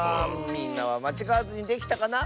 みんなはまちがわずにできたかな？